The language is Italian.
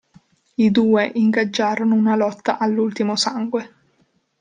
I due ingaggiarono una lotta all'ultimo sangue.